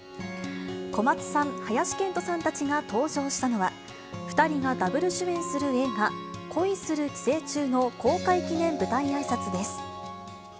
小松さん、林遣都さんたちが登場したのは、２人がダブル主演する映画、恋する寄生虫の公開記念舞台あいさつです。